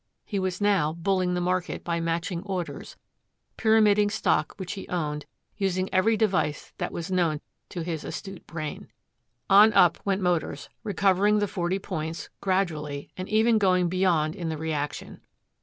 He was now bulling the market by matching orders, pyramiding stock which he owned, using every device that was known to his astute brain. On up went Motors, recovering the forty points, gradually, and even going beyond in the reaction.